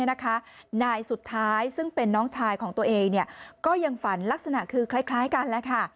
นายสุดท้ายซึ่งเป็นน้องชายของตัวเองก็ยังฝันลักษณะคือคล้ายกันแล้วค่ะ